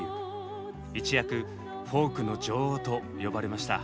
一躍「フォークの女王」と呼ばれました。